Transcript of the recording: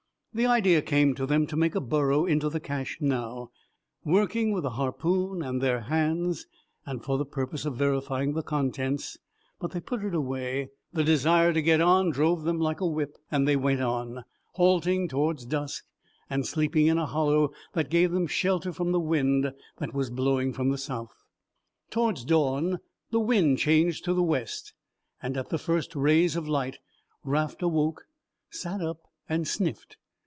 The idea came to them to make a burrow into the cache, now, working with the harpoon and their hands, and for the purpose of verifying the contents; but they put it away, the desire to get on drove them like a whip and they went on, halting towards dusk and sleeping in a hollow that gave them shelter from the wind that was blowing from the south. Towards dawn the wind changed to the west and at the first rays of light Raft awoke, sat up and sniffed.